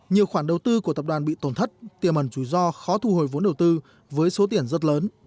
nhiều khoản đầu tư của tập đoàn bị tổn thất tiềm ẩn rủi ro khó thu hồi vốn đầu tư với số tiền rất lớn